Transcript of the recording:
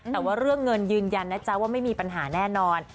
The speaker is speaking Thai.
แต่ว่าเรื่องเงินยืนยันนะจ๊ะว่าไม่มีปัญหาแน่นอน